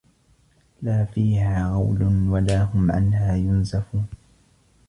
لا فيها غَولٌ وَلا هُم عَنها يُنزَفونَ